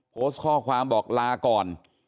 โพสต์ข้อความบอกลาก่อน